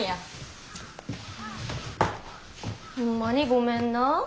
ホンマにごめんなあ。